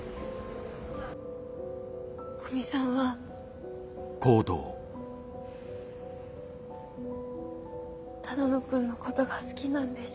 古見さんは只野くんのことが好きなんでしょ。